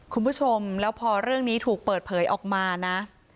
คุณผู้ชมแล้วพอเรื่องนี้ถูกเปิดเผยออกมานะ